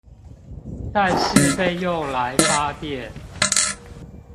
但是被用來發電